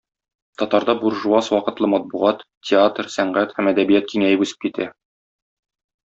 Татарда буржуаз вакытлы матбугат, театр, сәнгать һәм әдәбият киңәеп үсеп китә.